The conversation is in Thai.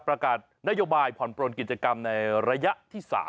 ประกาศนโยบายผ่อนปลนกิจกรรมในระยะที่๓